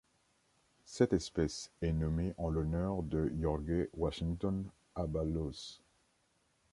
Cette espèce est nommée en l'honneur de Jorge Washington Ábalos.